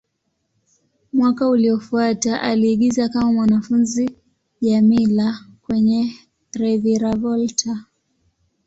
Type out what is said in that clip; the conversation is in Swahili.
Mwaka uliofuata, aliigiza kama mwanafunzi Djamila kwenye "Reviravolta".